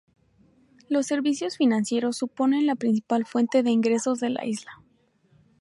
Los servicios financieros suponen la principal fuente de ingresos de la isla.